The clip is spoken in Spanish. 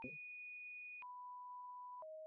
Descubrió la fotografía cuando era muy joven.